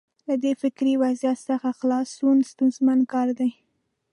له دې فکري وضعیت څخه خلاصون ستونزمن کار دی.